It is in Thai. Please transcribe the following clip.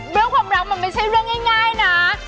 เรื่องความรักมันไม่ใช่เรื่องง่ายนะ